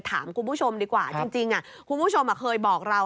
ถามคุณผู้ชมดีกว่าจริงคุณผู้ชมเคยบอกเรา